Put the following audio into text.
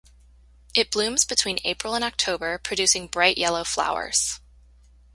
It blooms between April and October producing bright yellow flowers.